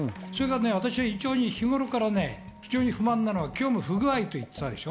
私は日頃から非常に不満なのは今日も不具合といったでしょ。